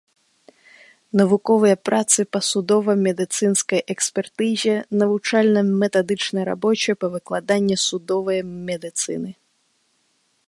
Навуковыя працы па судова-медыцынскай экспертызе, навучальна-метадычнай рабоце па выкладанні судовай медыцыны.